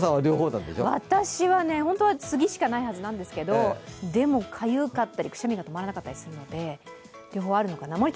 私は本当はスギしかないはずなんですけど、でも、かゆかったりくしゃみが止まらなかったりするので両方あるのかな？